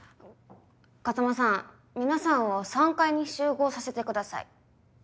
風真さん皆さんを３階に集合させてください。